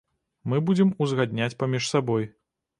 Мы будзем узгадняць паміж сабой.